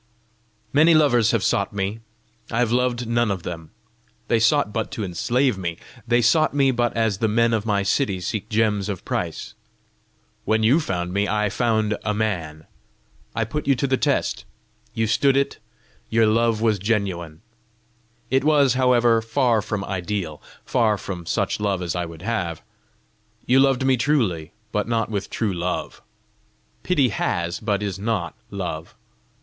"Many lovers have sought me; I have loved none of them: they sought but to enslave me; they sought me but as the men of my city seek gems of price. When you found me, I found a man! I put you to the test; you stood it; your love was genuine! It was, however, far from ideal far from such love as I would have. You loved me truly, but not with true love. Pity has, but is not love.